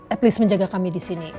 at least menjaga kami di sini